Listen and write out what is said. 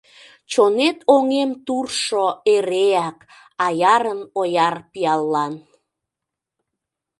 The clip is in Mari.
Чонет оҥем туржшо Эреак аярын ояр пиаллан!